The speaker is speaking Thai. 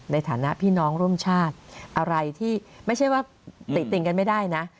ในฐานะพี่น้องร่วมชาติอะไรที่ไม่ใช่ว่าติติงกันไม่ได้นะ